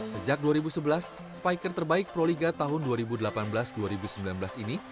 sejak dua ribu sebelas spiker terbaik proliga tahun dua ribu delapan belas dua ribu sembilan belas ini